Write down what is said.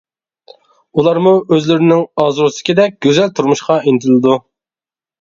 ئۇلارمۇ ئۆزلىرىنىڭ ئارزۇسىدىكىدەك گۈزەل تۇرمۇشقا ئىنتىلىدۇ.